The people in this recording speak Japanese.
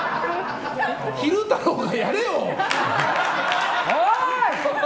昼太郎がやれよ！